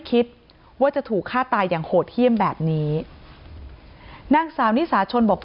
คิดว่าจะถูกฆ่าตายอย่างโหดเยี่ยมแบบนี้นางสาวนิสาชนบอก